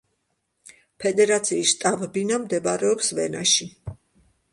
ფედრაციის შტაბ-ბინა მდებარეობს ვენაში.